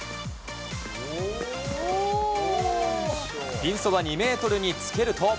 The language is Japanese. ピンそば２メートルにつけると。